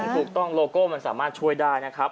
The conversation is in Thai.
ถูกต้องโลโก้มันสามารถช่วยได้นะครับ